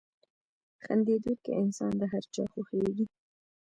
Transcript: • خندېدونکی انسان د هر چا خوښېږي.